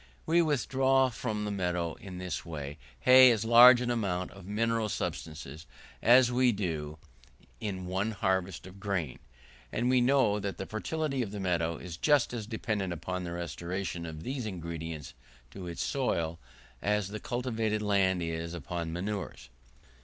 We withdraw from the meadow in this hay as large an amount of mineral substances as we do in one harvest of grain, and we know that the fertility of the meadow is just as dependent upon the restoration of these ingredients to its soil, as the cultivated land is upon manures.